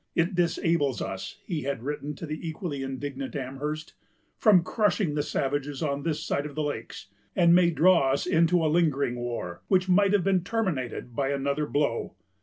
"It disables us," he had written to the equally indignant Amherst, "from crushing the savages on this side of the lakes, and may draw us into a lingering war, which might have been terminated by another blow....